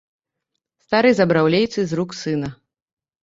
Стары забраў лейцы з рук сына.